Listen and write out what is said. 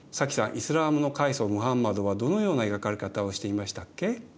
イスラームの開祖ムハンマドはどのような描かれ方をしていましたっけ？